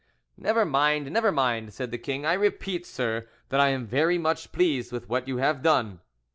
"Never mind, never mind," said the king. "I repeat, sir, that I am very much pleased with what you have done."